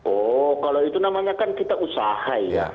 oh kalau itu namanya kan kita usaha ya